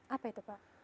apa itu pak